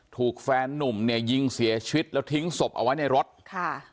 ถูกแฟนนุ่มเนี่ยยิงเสียชีวิตแล้วทิ้งศพเอาไว้ในรถค่ะ